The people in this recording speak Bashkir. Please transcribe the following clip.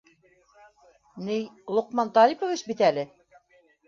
Ни, Лоҡман Талипович бит әле...